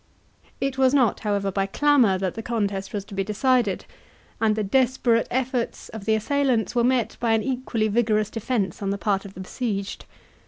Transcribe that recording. It was not, however, by clamour that the contest was to be decided, and the desperate efforts of the assailants were met by an equally vigorous defence on the part of the besieged.